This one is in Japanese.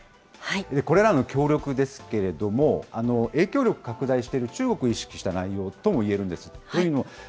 これらの協力ですけれども、影響力を拡大している中国を意識した内容ともいえるんです。